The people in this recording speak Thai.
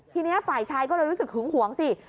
ทีนี้ฝ่ายชายก็เลยรู้สึกหึงหวงสิ